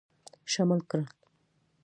شامل کړل.